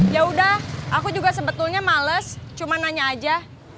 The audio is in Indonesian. yaudah aku juga sebetulnya males cuma nanya aja